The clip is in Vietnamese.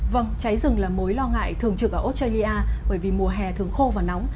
vâng cháy rừng là mối lo ngại thường trực ở australia bởi vì mùa hè thường khô và nóng